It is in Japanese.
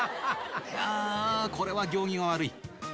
あー、これは行儀が悪い。